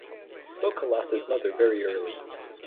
Boka lost his mother very early.